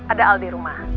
ada al di rumah